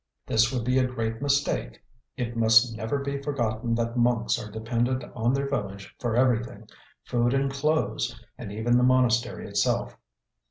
This would be a great mistake. It must never be forgotten that monks are dependent on their village for everything food and clothes, and even the monastery itself.